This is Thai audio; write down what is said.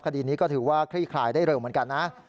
คดีนี้ก็ถือว่าคลี่คลายได้เร็วเหมือนกันนะ